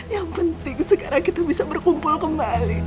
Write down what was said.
yang penting sekarang kita bisa berkumpul kembali